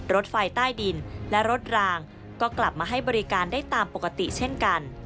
รถไฟใต้ดินและรถรางก็กลับมาให้บริการได้ตามปกติเช่นกัน